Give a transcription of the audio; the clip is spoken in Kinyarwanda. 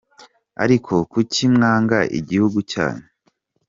ariko kuki mwanga igihugu cyanyu ?